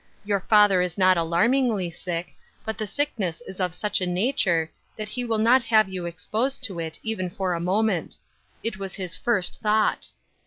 " Your father is not alarmingly sick, but the sickness is of such ft nature that he will not have you exposed to it A Newly Shaped Cross. Ill even for a moment. It was his first thought."